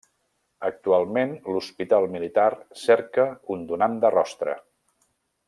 Actualment, l'Hospital Militar cerca un donant de rostre.